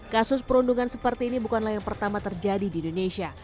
kasus perundungan seperti ini bukanlah yang pertama terjadi di indonesia